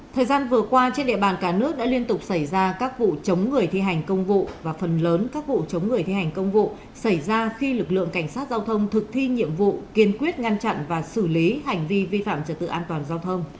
thời gian vừa qua trên địa bàn cả nước đã liên tục xảy ra các vụ chống người thi hành công vụ và phần lớn các vụ chống người thi hành công vụ xảy ra khi lực lượng cảnh sát giao thông thực thi nhiệm vụ kiên quyết ngăn chặn và xử lý hành vi vi phạm trật tự an toàn giao thông